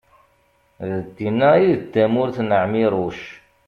d tin-a i d tamurt n ԑmiruc